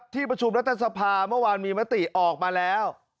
ที่ประชุมรัฐสภาเมื่อวานมีมติออกมาแล้ว